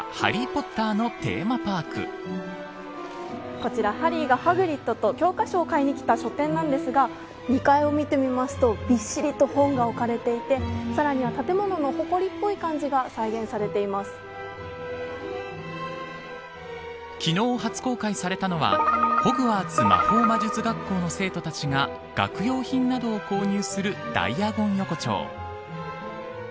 こちら、ハリーがハグリットと教科書を買いに来た書店なんですが２階を見るとびっしりと本が置かれていてさらには、建物のほこりっぽい昨日初公開されたのはホグワーツ魔法魔術学校の生徒たちが学用品などを購入するダイアゴン横丁。